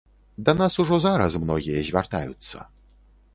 Да нас ужо зараз многія звяртаюцца.